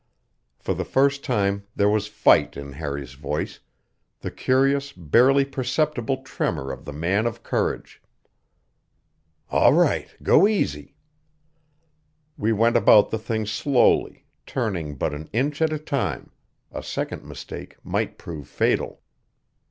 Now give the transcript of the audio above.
For the first time there was fight in Harry's voice; the curious, barely perceptible tremor of the man of courage. "All right. Go easy." We went about the thing slowly, turning but an inch at a time; a second mistake might prove fatal.